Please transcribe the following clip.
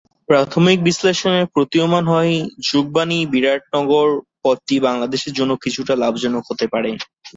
প্রাথমিক বিশ্লেষণে প্রতীয়মান হয়, যুগবাণী-বিরাটনগর পথটি বাংলাদেশের জন্য কিছুটা লাভজনক হতে পারে।